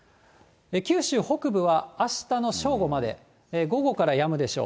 九州北部はあしたの正午まで、午後からやむでしょう。